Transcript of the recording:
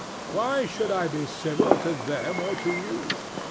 why should I be civil to them or to you?